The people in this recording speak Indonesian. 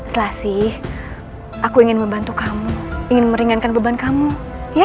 selasih aku ingin membantu kamu ingin meringankan beban kamu ya